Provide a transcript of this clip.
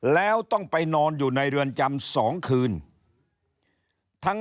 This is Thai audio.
แล้วต้องไปนอนอยู่ในเรือนจำ๒คืน